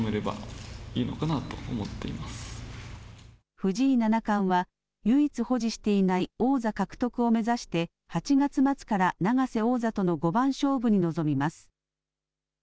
藤井七冠は唯一保持していない王座獲得を目指して８月末から永瀬王座との五番勝負に臨みます。